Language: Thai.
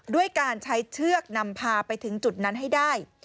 ด้วยการใช้เชือกนำพาไปถึงจุดนั้นให้ได้